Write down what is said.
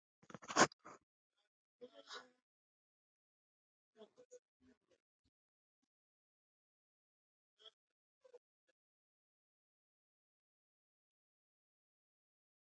د بولان پټي د افغانستان د طبیعت د ښکلا برخه ده.